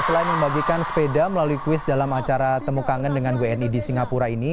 selain membagikan sepeda melalui kuis dalam acara temukangen dengan wni di singapura ini